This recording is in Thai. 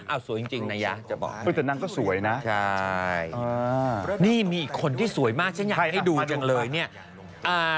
อ้าวสวยจริงนะยะ